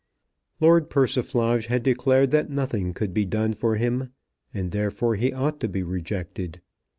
Lord Persiflage had declared that nothing could be done for him, and therefore he ought to be rejected.